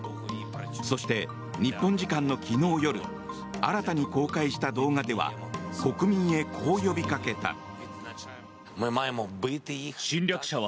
そして、日本時間の昨日夜新たに公開した動画では国民へこう呼びかけた。